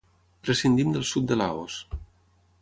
Prescindim del sud de Laos.